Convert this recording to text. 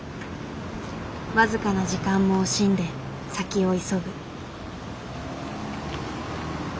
僅かな時間も惜しんで先を急ぐ。